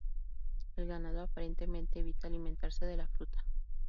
El ganado aparentemente evita alimentarse de la fruta.